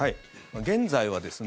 現在はですね